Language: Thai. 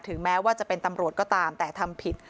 แม้ว่าจะเป็นตำรวจก็ตามแต่ทำผิด